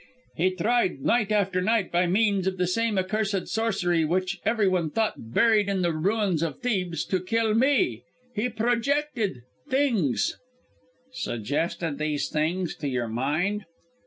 "He tried night after night, by means of the same accursed sorcery, which everyone thought buried in the ruins of Thebes, to kill me! He projected things " "Suggested these things, to your mind?"